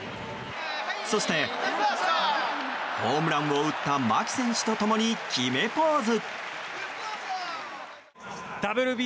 そして、ホームランを打った牧選手と共に決めポーズ。